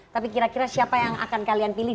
tapi kira kira siapa yang akan kalian pilih